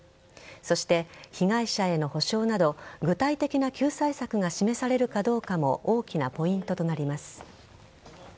そして、被害者への補償など具体的な救済策が示されるかどうかも大きなポイントとなります。